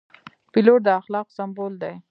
پیلوټ د اخلاقو سمبول دی.